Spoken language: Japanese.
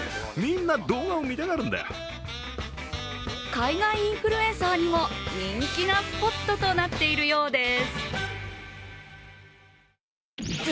海外インフルエンサーにも人気なスポットとなっているようです。